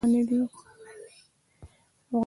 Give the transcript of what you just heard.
افغانستان کې د پابندی غرونه د پرمختګ هڅې روانې دي.